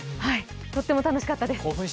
とっても楽しかったです。